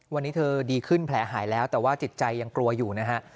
วันนี้เธอดีขึ้นแผลหายแล้วแต่ว่าจิตใจยังกลัวอยู่นะฮะ